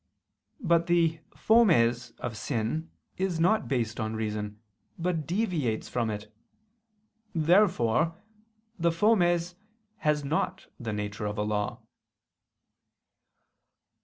But the fomes of sin is not based on reason, but deviates from it. Therefore the fomes has not the nature of a law.